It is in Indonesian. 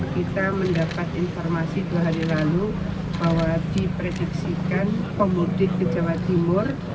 kita mendapat informasi dua hari lalu bahwa diprediksikan pemudik ke jawa timur